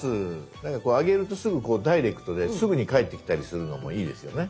なんかこうあげるとすぐこうダイレクトですぐに返ってきたりするのもいいですよね。